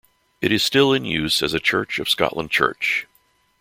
It is still in use as a Church of Scotland church.